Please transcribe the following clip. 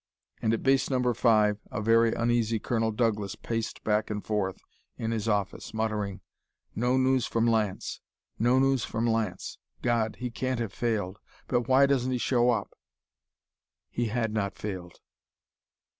And at Base No. 5 a very uneasy Colonel Douglas paced back and forth in his office, muttering: "No news from Lance! No news from Lance! God! He can't have failed! But why doesn't he show up?" He had not failed.